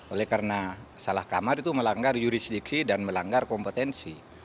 oleh karena salah kamar itu melanggar jurisdiksi dan melanggar kompetensi